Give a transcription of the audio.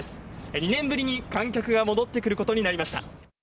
２年ぶりに観客が戻ってくることになりました。